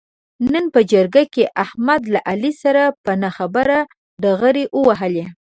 نن په جرګه کې احمد له علي سره په نه خبره ډغرې و وهلې.